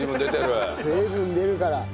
水分出るから。